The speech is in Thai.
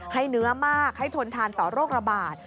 ให้เนื้อมากให้ทนทานต่อโรคระบาด